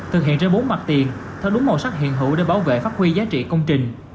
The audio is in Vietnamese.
thực hiện trên bốn mặt tiền theo đúng màu sắc hiện hữu để bảo vệ phát huy giá trị công trình